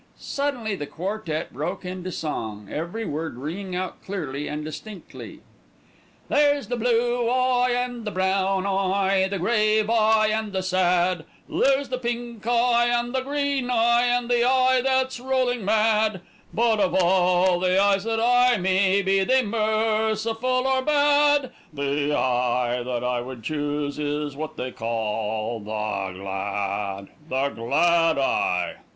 Suddenly the quartette broke into song, every word ringing out clearly and distinctly: There's the blue eye and the brown eye, the grave eye and the sad, There's the pink eye and the green eye and the eye that's rolling mad; But of all the eyes that eye me, be they merciful or bad, The eye that I would choose is what they call "The Glad." THE GLAD EYE.